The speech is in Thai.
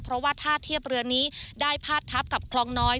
เพราะว่าท่าเทียบเรือนี้ได้พาดทับกับคลองน้อย